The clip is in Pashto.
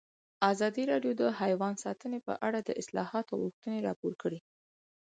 ازادي راډیو د حیوان ساتنه په اړه د اصلاحاتو غوښتنې راپور کړې.